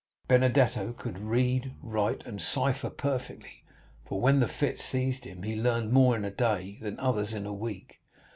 Benedetto could read, write, and cipher perfectly, for when the fit seized him, he learned more in a day than others in a week.